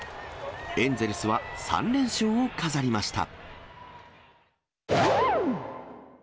エンゼルスは３連勝を飾りました。